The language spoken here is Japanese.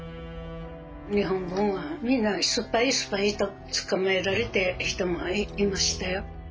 「日本軍は皆スパイスパイと捕まえられた人もいましたよ。